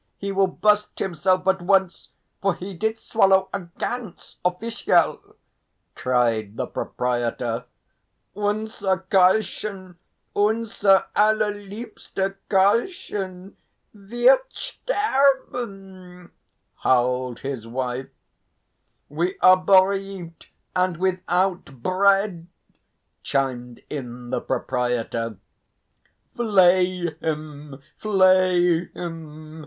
He will burst himself at once, for he did swallow a ganz official!" cried the proprietor. "Unser Karlchen, unser allerliebster Karlchen wird sterben," howled his wife. "We are bereaved and without bread!" chimed in the proprietor. "Flay him! flay him!